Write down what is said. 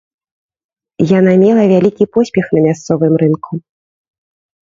Яна мела вялікі поспех на мясцовым рынку.